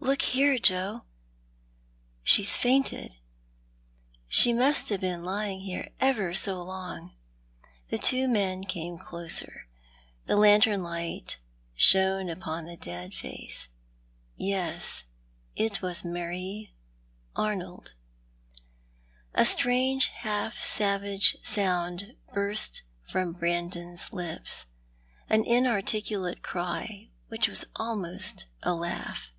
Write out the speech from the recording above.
Look here, Joe — she's fainted— sho must ha' been lying here ever so long." The two men came closer — the lantern light shono upon the dead face. Yes, it was Marie Arnold. A strange half savage sound burst from Brandon's lips — an inarticulate cry, which was almost a laugh.